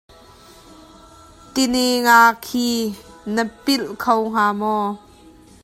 Ti ne nga khi na pilh kho hnga maw?